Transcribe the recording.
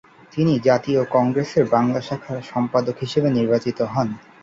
তিনি জাতীয় কংগ্রেসের বাংলা শাখার সম্পাদক নির্বাচিত হন।